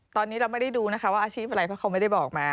ตอนนี้เราไม่ได้ดูนะคะว่าอาชีพอะไรเพราะเขาไม่ได้บอกมา